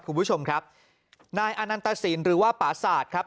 คุณผู้ชมครับนายอนันตสินหรือว่าปราศาสตร์ครับ